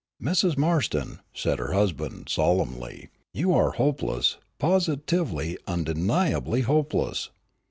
"Mrs. Marston," said her husband, solemnly, "you are hopeless positively, undeniably, hopeless.